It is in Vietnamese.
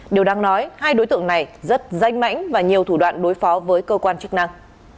điều đáng nói hai đối tượng này rất danh mãnh và nhiều thủ đoạn đối phó với cơ quan chức năng